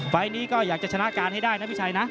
ไฟล์นี้ก็อยากจะชนะการให้ได้นะพี่ชัยนะ